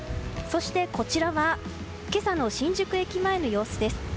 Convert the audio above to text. そして、こちらは今朝の新宿駅前の様子です。